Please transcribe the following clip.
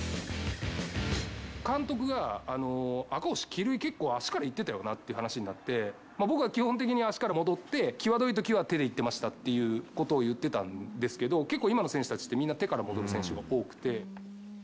監督が、赤星、帰塁、結構足からいってたよなっていう話になって、僕は基本的に足から戻って、きわどいときは手で行ってましたっていうことをいってたんですけど、結構今の選手たちって、みんな手から戻る選手が多くて。